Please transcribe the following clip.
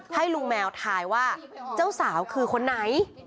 ให้ลุงแมวทายว่าเจ้าสาวคือคนไหน